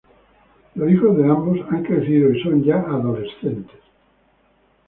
Los hijos de ambos han crecido y son ya adolescentes.